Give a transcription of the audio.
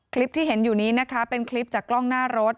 คลิปที่เห็นอยู่นี้นะคะเป็นคลิปจากกล้องหน้ารถ